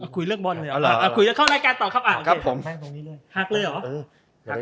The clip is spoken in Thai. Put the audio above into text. คุยจากบอสเลย